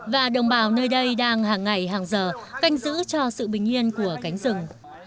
và đồng bào nơi đây đang hàng ngày hàng giờ canh giữ cho sự bình yên của cánh rừng